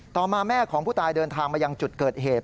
ต่อมาแม่ของผู้ตายเดินทางมายังจุดเกิดเหตุ